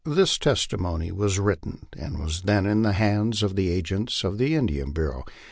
This testimony was written, and was then in the hands of the agents of the Indian Bureau.